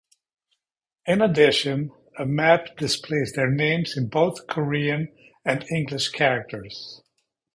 In addition, a map displays their names in both Korean and English characters.